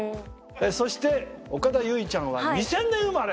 そして岡田結実ちゃんは２０００年生まれ！